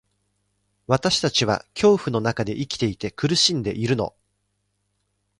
私たちは恐怖の中で生きていて、苦しんでいるの。